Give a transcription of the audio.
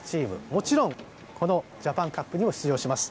もちろん、このジャパンカップにも出場します。